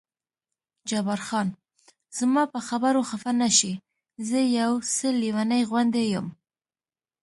جبار خان: زما په خبرو خفه نه شې، زه یو څه لېونی غوندې یم.